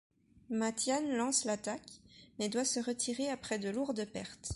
Mathian lance l’attaque mais doit se retirer après de lourdes pertes.